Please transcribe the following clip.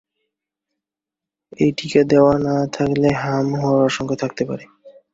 এ টিকা দেওয়া না থাকলে হাম হওয়ার আশঙ্কা থাকতে পারে।